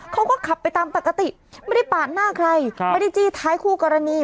เขาก็ขับไปตามปกติไม่ได้ปาดหน้าใครไม่ได้จี้ท้ายคู่กรณี